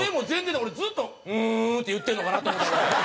だから俺ずっと「うーん」って言ってんのかなと思ったぐらい。